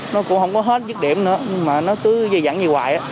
nó cũng không có hết dứt điểm nữa mà nó cứ dây dặn như hoài